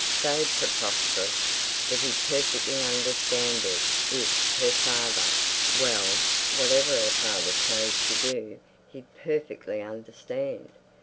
So preposterous that he'd perfectly understand it if her father—well, whatever her father chose to do he'd perfectly understand.